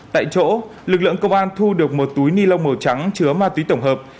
tại chỗ lực lượng công an thu được một túi ni lông màu trắng chứa ma túy tổng hợp